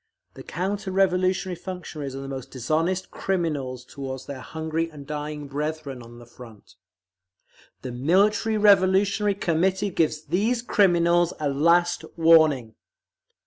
The counter revolutionary functionaries are the most dishonest criminals toward their hungry and dying brethren on the Front…. The MILITARY REVOLUTIONARY COMMITTEE GIVES THESE CRIMINALS A LAST WARNING.